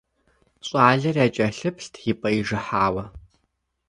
Щӏалэр якӀэлъыплът и пӀэ ижыхьауэ.